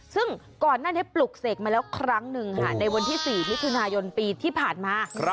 ซึ่งก่อนนั้นให้ปลูกเสกมาแล้วครั้งนึงในวันที่๔พยปีที่ผ่านมา